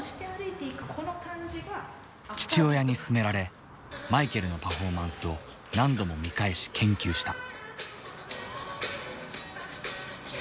父親に勧められマイケルのパフォーマンスを何度も見返し研究した。